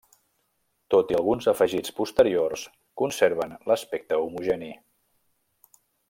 Tot i alguns afegits posteriors, conserven l'aspecte homogeni.